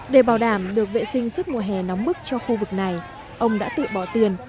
để bảo đảm được vệ sinh suốt mùa hè nóng bức cho khu vực này ông đã tự bỏ tiền